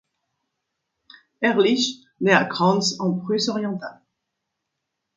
Erlich naît à Cranz, en Prusse-Orientale.